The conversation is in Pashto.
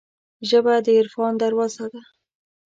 ژبه د عرفان دروازه ده